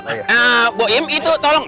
nah bu im itu tolong